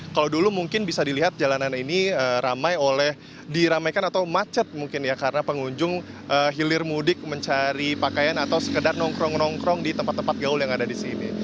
kalau dulu mungkin bisa dilihat jalanan ini ramai oleh diramaikan atau macet mungkin ya karena pengunjung hilir mudik mencari pakaian atau sekedar nongkrong nongkrong di tempat tempat gaul yang ada di sini